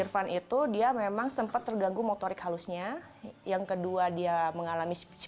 pada saat itu perempuan yang berumur satu tahun irvan berumur satu tahun mengalami motorik halus